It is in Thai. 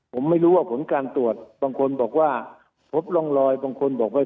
ผมไม่รู้ว่าผลการตรวจบางคนบอกว่าพบร่องรอยบางคนบอกว่า